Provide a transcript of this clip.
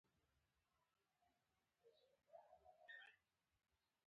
کومو هېوادونو له فرصتونو څخه ګټه واخیسته.